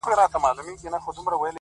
اوس هره شپه سپينه سپوږمۍ؛